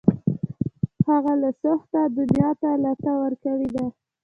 هغه له سوخته دنیا ته لته ورکړې ده